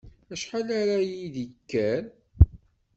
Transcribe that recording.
Acḥal ara yi-d-yekker?